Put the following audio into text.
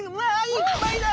いっぱいだ！